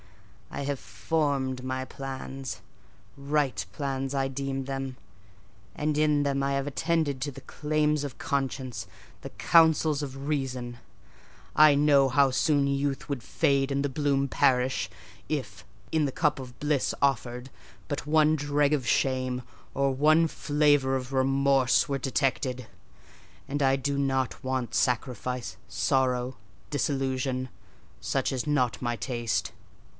I have formed my plans—right plans I deem them—and in them I have attended to the claims of conscience, the counsels of reason. I know how soon youth would fade and bloom perish, if, in the cup of bliss offered, but one dreg of shame, or one flavour of remorse were detected; and I do not want sacrifice, sorrow, dissolution—such is not my taste.